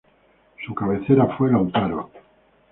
Su cabecera fue Lautaro.